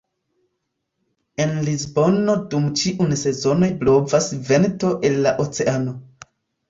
En Lisbono dum ĉiuj sezonoj blovas vento el la oceano.